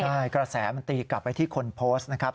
ใช่กระแสมันตีกลับไปที่คนโพสต์นะครับ